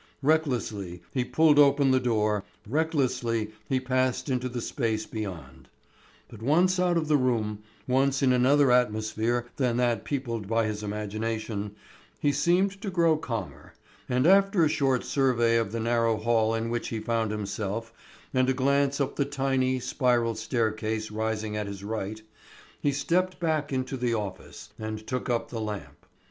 Recklessly he pulled open the door, recklessly he passed into the space beyond. But once out of the room, once in another atmosphere than that peopled by his imagination, he seemed to grow calmer, and after a short survey of the narrow hall in which he found himself and a glance up the tiny, spiral staircase rising at his right, he stepped back into the office and took up the lamp.